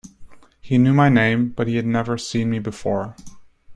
He knew my name, but he had never seen me before.